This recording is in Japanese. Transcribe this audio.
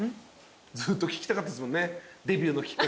ずっと聞きたかったっすもんね。